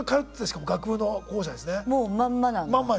もうまんまなんだ？